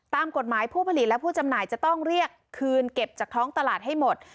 ตามกฎหมายผู้ผลิตและผู้จำหน่ายจะต้องเรียกคืนเก็บจากท้องตลาดให้หมด